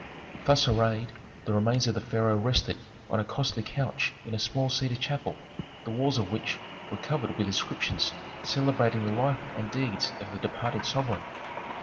Thus arrayed, the remains of the pharaoh rested on a costly couch in a small cedar chapel, the walls of which were covered with inscriptions celebrating the life and deeds of the departed sovereign.